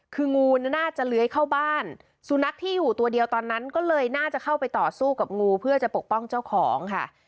คืองูน่าจะเลื้อยเข้าบ้านสุนัขที่อยู่ตัวเดียวตอนนั้นก็เลยน่าจะเข้าไปต่อสู้กับงูเพื่อจะปกป้องเจ้าของค่ะ